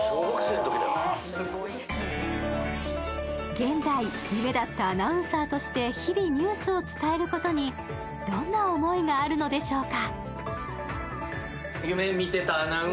現在、夢だったアナウンサーとして日々ニュースを伝えることにどんな思いがあるんでしょうか？